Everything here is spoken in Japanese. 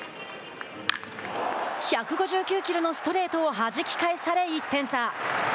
１５９キロのストレートをはじき返され、１点差。